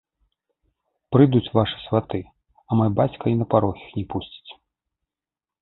Прыйдуць вашы сваты, а мой бацька і на парог іх не пусціць.